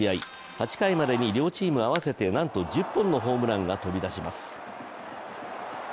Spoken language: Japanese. ８回までに両チーム合わせてなんと１０本のホームランが飛び出します。